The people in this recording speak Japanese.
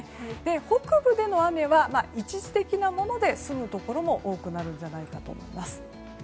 北部での雨は一時的なもので済むところも多くなるんじゃないかと思います。